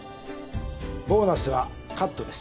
ボーナスはカットです。